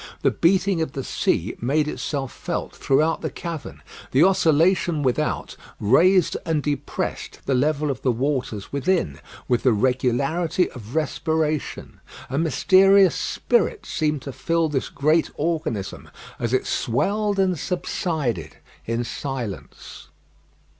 The beating of the sea made itself felt throughout the cavern. The oscillation without raised and depressed the level of the waters within, with the regularity of respiration. A mysterious spirit seemed to fill this great organism, as it swelled and subsided in silence.